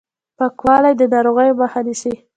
پاکوالی د ناروغیو مخه نیسي